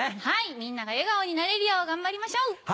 はいみんなが笑顔になれるよう頑張りましょう。